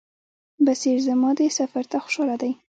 بصیر زما دې سفر ته خوشاله دی.